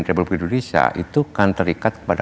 republik indonesia itu kan terikat kepada